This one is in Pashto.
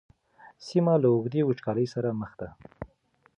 سیمه له اوږدې وچکالۍ سره مخ ده.